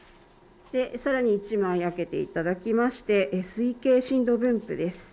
さらに１枚あけていただきまして推計震度分布です。